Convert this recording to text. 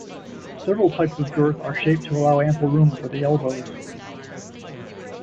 Several types of girth are shaped to allow ample room for the elbows.